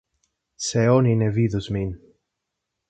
Se oni ne vidus min.